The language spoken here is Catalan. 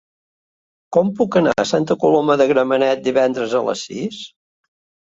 Com puc anar a Santa Coloma de Gramenet divendres a les sis?